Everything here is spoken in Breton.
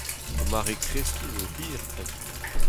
O mare kreskiñ zo hir-tre.